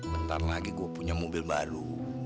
bentar lagi gue punya mobil baru